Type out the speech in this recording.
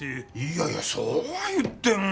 いやいやそうはいっても。